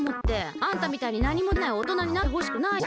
あんたみたいになにもできないおとなになってほしくないし。